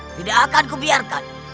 tidak akanku biarkan